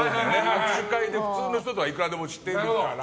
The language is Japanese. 握手会で普通の人とはいくらでもしてるから。